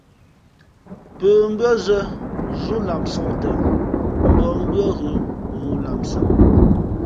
Pə̌ mbʉ́ά zᾱ zúlamsāk tαʼ, mbǒh mbʉ́ά ghʉ ghoōlamsāk.